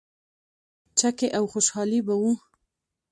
چکې او خوشحالي به وه.